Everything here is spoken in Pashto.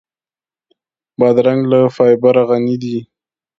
بادرنګ له فایبره غني دی.